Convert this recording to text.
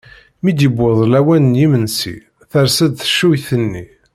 Mi d-yewweḍ lawan n yimensi ters-d teccuyt-nni.